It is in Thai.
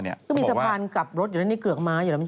ก็มีสะพานกลับรถอยู่นั่นในเกือกม้าอยู่แล้ว